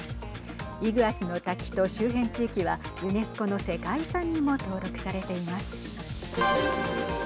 イグアスの滝と周辺地域はユネスコの世界遺産にも登録されています。